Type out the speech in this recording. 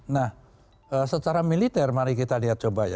nah secara militer mari kita lihat coba ya